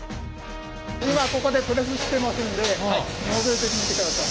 今ここでプレスしてますんでのぞいてみてください。